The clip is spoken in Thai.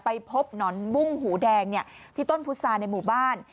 ไปพบหนอนบุ้งหูแดงที่ต้นพุษาในหมู่บ้าน